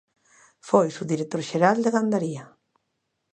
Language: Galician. Foi Subdirector Xeral de Gandaría.